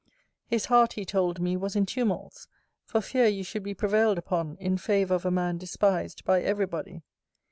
His heart, he told me, was in tumults, for fear you should be prevailed upon in favour of a man despised by every body.